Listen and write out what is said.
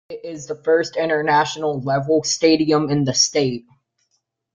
It is the first international level stadium in the state.